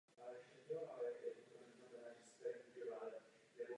Tomu musíme zabránit rozhodnou reakcí.